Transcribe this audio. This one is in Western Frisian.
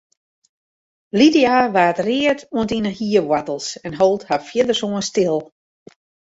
Lydia waard read oant yn de hierwoartels en hold har fierdersoan stil.